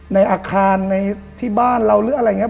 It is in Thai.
ในอาคารในที่บ้านเราหรืออะไรอย่างนี้